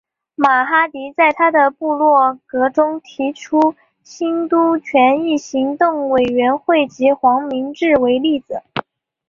马哈迪在他的部落格中提出兴都权益行动委员会及黄明志为例子。